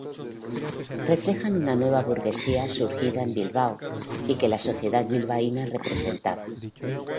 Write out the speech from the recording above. Reflejan una nueva burguesía surgida en Bilbao, y que la Sociedad Bilbaína representaba.